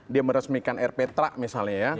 dia meresmikan rptra misalnya ya